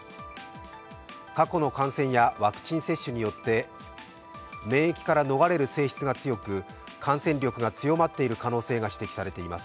過去の感染やワクチン接種によって免疫から逃れる性質が強く感染力が強まっている可能性が指摘されています。